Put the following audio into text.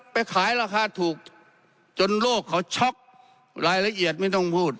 ไปขายราคาถูกจนโลกเขาช็อกรายละเอียดไม่ต้องพูด